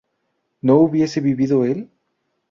¿no hubiese vivido él?